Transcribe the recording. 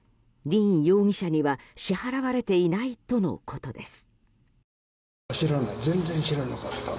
容疑者には支払われていないとのことです。